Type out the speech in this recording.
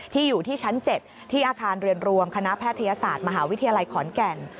อยู่ที่ชั้น๗ที่อาคารเรียนรวมคณะแพทยศาสตร์มหาวิทยาลัยขอนแก่น